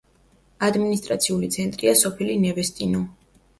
ადმინისტრაციული ცენტრია სოფელი ნევესტინო.